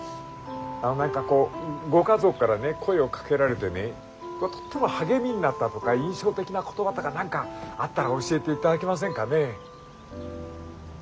あの何かこうご家族からね声をかけられてねとっても励みになったとか印象的な言葉とか何かあったら教えていただけませんかね？